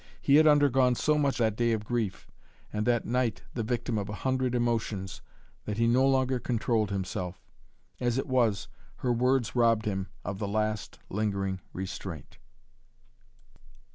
He had undergone so much that day of grief, and that night the victim of a hundred emotions, that he no longer controlled himself. As it was, her words robbed him of the last lingering restraint.